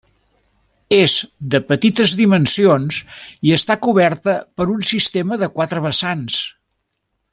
És de petites dimensions i està coberta per un sistema de quatre vessants.